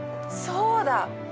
そうだ。